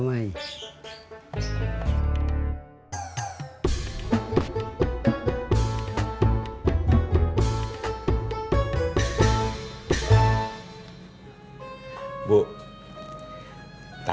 tidak ada yang ngerti